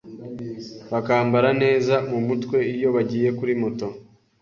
bakambara neza mu mutwe iyo bagiye kuri moto,